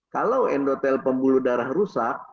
kalau endotel pembuluh darah rusak